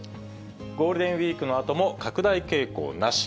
ゴールデンウィークのあとも拡大傾向なし。